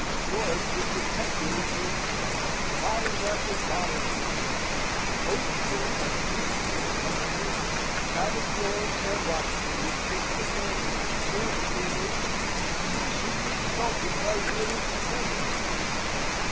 Swords were perpetually being drawn; bottles after bottles were drunk; oaths roared unceasingly in conversation; tavern drawers and watchmen were pinked and maimed; chairmen belaboured; citizens insulted by reeling pleasure hunters.